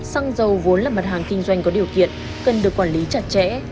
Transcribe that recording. xăng dầu vốn là mặt hàng kinh doanh có điều kiện cần được quản lý chặt chẽ